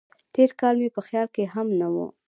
تېر کال مې په خیال کې هم نه و.